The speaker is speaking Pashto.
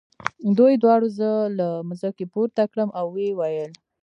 دوی دواړو زه له مځکې پورته کړم او ویې ویل.